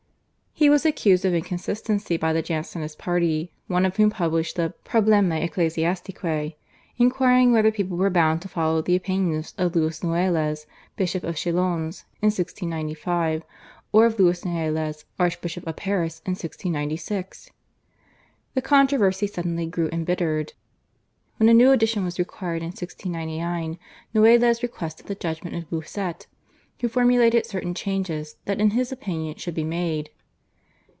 He was accused of inconsistency by the Jansenist party, one of whom published the /Probleme ecclesiastique/, inquiring whether people were bound to follow the opinions of Louis Noailles, Bishop of Chalons in 1695, or of Louis Noailles, Archbishop of Paris in 1696? The controversy suddenly grew embittered. When a new edition was required in 1699, Noailles requested the judgment of Bossuet, who formulated certain changes that in his opinion should be made.